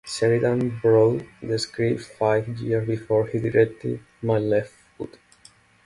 Sheridan wrote the script five years before he directed "My Left Foot".